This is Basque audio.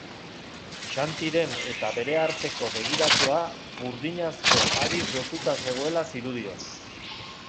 Xantiren eta bere arteko begiratua burdinazko hariz lotuta zegoela zirudien.